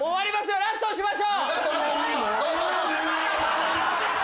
ラストにしましょう！